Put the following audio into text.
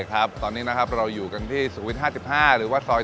อย่างเช่นประเทศไทยที่ตั้งอยู่ในเขตร้อนและอบอุ่นเป็นส่วนใหญ่